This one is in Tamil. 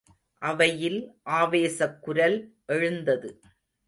அவையில் ஆவேசக் குரல் எழுந்தது.